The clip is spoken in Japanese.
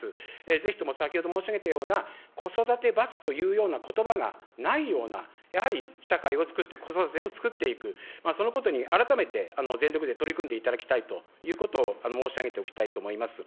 ぜひとも先ほど申し上げたような、子育て罰というようなことばがないような、やはり社会を作って、子育てを作っていく、そのことに改めて、全力で取り組んでいただきたいということを申し上げておきたいと思います。